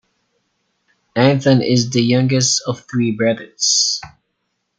Anton is the youngest of three brothers.